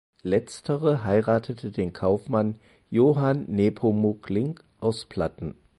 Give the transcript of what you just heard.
Letztere heiratete den Kaufmann Johann Nepomuk Link aus Platten.